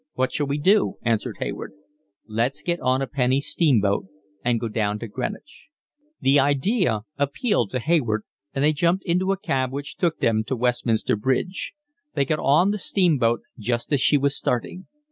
What shall we do?" answered Hayward. "Let's get on a penny steamboat and go down to Greenwich." The idea appealed to Hayward, and they jumped into a cab which took them to Westminster Bridge. They got on the steamboat just as she was starting.